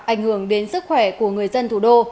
ảnh hưởng đến sức khỏe của người dân thủ đô